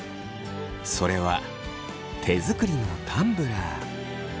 それは手作りのタンブラー。